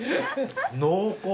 濃厚！